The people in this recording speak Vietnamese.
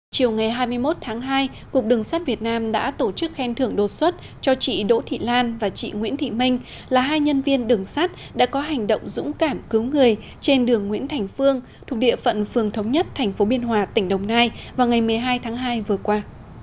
chiều ngày hai mươi một tháng hai cục đường sắt việt nam đã tổ chức khen thưởng đột xuất cho chị đỗ thị lan và chị nguyễn thị minh là hai nhân viên đường sắt đã có hành động dũng cảm cứu người trên đường nguyễn thành phương thuộc địa phận phường thống nhất tp biên hòa tỉnh đồng nai vào ngày một mươi hai tháng hai vừa qua